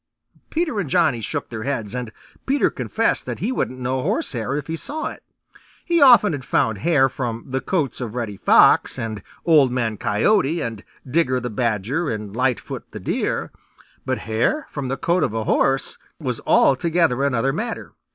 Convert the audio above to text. Peter and Johnny shook their heads, and Peter confessed that he wouldn't know horsehair if he saw it. He often had found hair from the coats of Reddy Fox and Old Man Coyote and Digger the Badger and Lightfoot the Deer, but hair from the coat of a horse was altogether another matter.